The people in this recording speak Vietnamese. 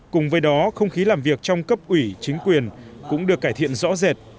cùng với đó không khí làm việc trong cấp ủy chính quyền cũng được cải thiện rõ rệt